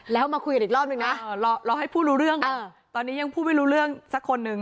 แล้วมาคุยกันอีกรอบนึงนะรอให้ผู้รู้เรื่องตอนนี้ยังพูดไม่รู้เรื่องสักคนนึง